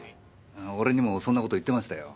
俺にもそんな事言ってましたよ。